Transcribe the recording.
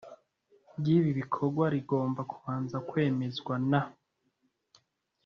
ry ibi bikorwa rigomba kubanza kwemezwa na